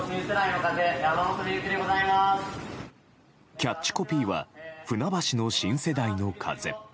キャッチコピーは船橋の新世代の風。